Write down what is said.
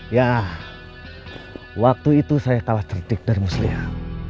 ya waktu itu saya kalah tertik dari muslihat